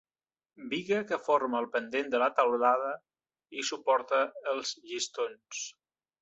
Biga que forma el pendent de la teulada i suporta els llistons.